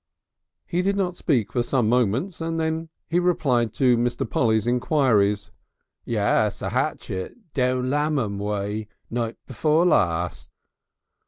He did not speak for some moments, and then he replied to Mr. Polly's enquiries: "Yes, a 'atchet. Down Lammam way night before last."